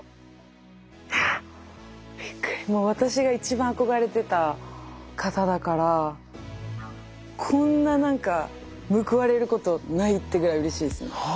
私が一番憧れてた方だからこんな何か報われることないってぐらいうれしいですよね。